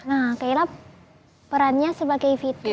nah kaila perannya sebagai fitur